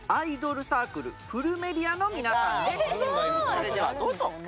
それではどうぞ！